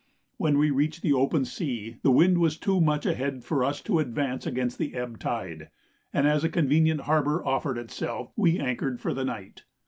When we reached the open sea the wind was too much ahead for us to advance against the ebb tide, and as a convenient harbour offered itself, we anchored for the night.